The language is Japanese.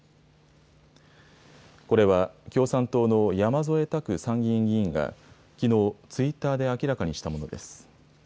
これは共産党の山添拓参議院議員が、きのう、ツイッターで明らかにしたものです。